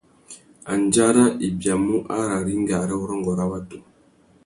Andjara i biamú ararringa râ urrôngô râ watu.